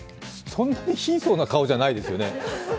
そんなに貧相な顔じゃないですよね？